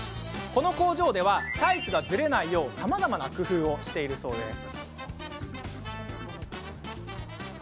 この工場ではタイツがズレないようにさまざまな工夫をしているそうです。